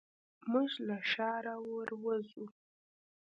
موږ له ښاره ور وځو.